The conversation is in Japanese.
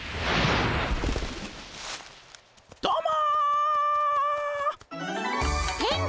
どうも。